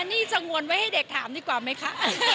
นี่สงวนไว้ให้เด็กถามดีกว่าไหมคะ